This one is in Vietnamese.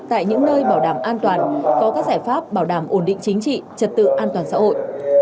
tại những nơi bảo đảm an toàn có các giải pháp bảo đảm ổn định chính trị trật tự an toàn xã hội